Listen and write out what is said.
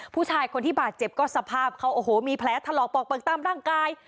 ผู้ชายคนที่บาดเจ็บก็สภาพเขาโอ้โหมีแผลถลอกปอกเปลือกตามร่างกาย